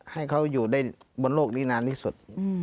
ให้เขาอยู่ได้บนโลกนี้นานที่สุด